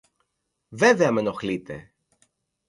Βέβαια μ' ενοχλείτε!